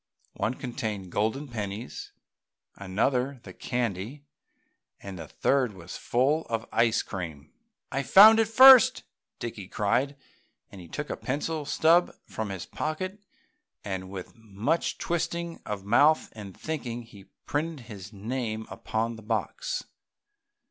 One contained the golden pennies, another the candy and the third was full of ice cream. "I found it first!" Dickie cried and he took a pencil stub from his pocket and, with much twisting of mouth and thinking, he printed his name upon the box.